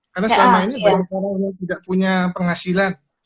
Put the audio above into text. karena selama ini banyak orang yang tidak punya penghasilan